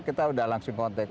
kita udah langsung kontak